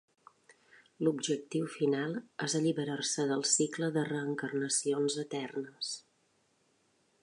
L'objectiu final és alliberar-se del cicle de reencarnacions eternes.